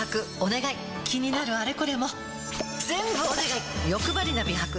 気になるあれこれもよくばりな美白歯